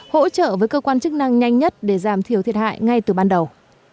hỗ trợ với cơ quan chức năng nhanh nhất để giảm thiểu thiệt hại ngay từ ban đầu